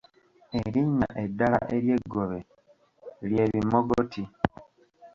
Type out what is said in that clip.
Erinnya eddala ery’eggobe lye bimogoti.